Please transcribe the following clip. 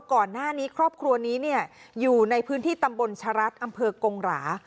ว่าก่อนหน้านี้ครอบครัวนี้เนี่ยอยู่ในพื้นที่ตำบลชรัฐอำเภอกงหรา